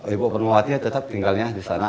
ibu permawati tetap tinggalnya di sana